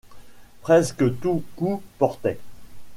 Presque tout coup portait.